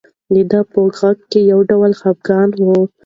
د ده په غږ کې یو ډول خپګان و.